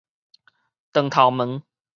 長頭毛